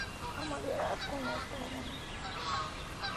আমাদের আর কোন উপায় নেই।